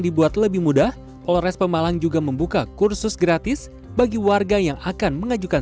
dibuat lebih mudah polres pemalang juga membuka kursus gratis bagi warga yang akan mengajukan